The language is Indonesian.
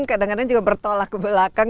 kadang kadang juga bertolak ke belakang